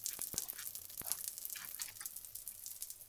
球队现在参加罗马尼亚足球甲级联赛的赛事。